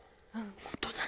本当だね。